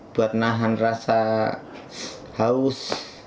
buat nahan rasa haus